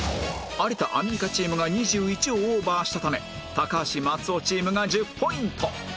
有田・アンミカチームが２１をオーバーしたため高橋・松尾チームが１０ポイント